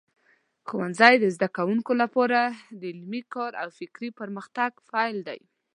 ښوونځی د زده کوونکو لپاره د علمي کار او فکري پرمختګ پیل دی.